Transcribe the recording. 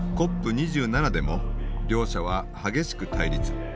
２７でも両者は激しく対立。